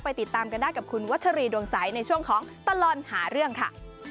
ติดตามกันได้กับคุณวัชรีดวงใสในช่วงของตลอดหาเรื่องค่ะ